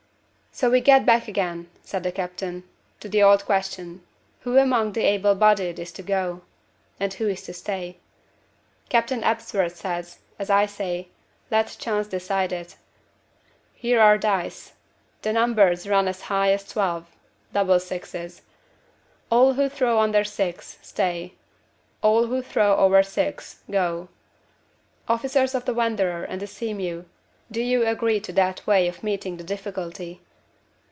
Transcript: "So we get back again," said the captain, "to the old question Who among the able bodied is to go? and who is to stay? Captain Ebsworth says, and I say, let chance decide it. Here are dice. The numbers run as high as twelve double sixes. All who throw under six, stay; all who throw over six, go. Officers of the Wanderer and the Sea mew, do you agree to that way of meeting the difficulty?"